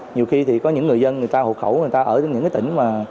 nhiều khi thì có những người dân người ta hộ khẩu người ta ở những cái tỉnh mà